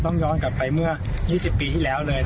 ย้อนกลับไปเมื่อ๒๐ปีที่แล้วเลย